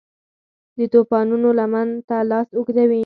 د توپانونو لمن ته لاس اوږدوي